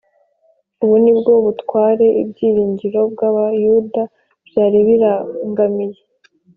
. Ubu nibwo butware ibyiringiro by’Abayuda byari birangamiye